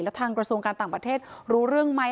แล้วทางกระทรวงการต่างประเทศรู้เรื่องไหม